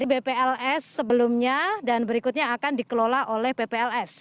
bpls sebelumnya dan berikutnya akan dikelola oleh bpls